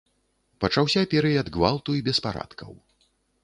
Пачаўся перыяд гвалту і беспарадкаў.